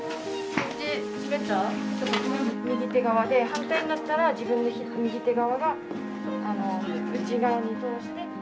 右手側で反対になったら自分の右手側が内側に通して。